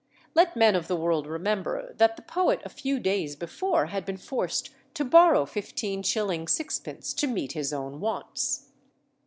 Let men of the world remember that the poet a few days before had been forced to borrow 15s. 6d. to meet his own wants.